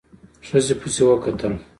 ښځې پسې وکتل.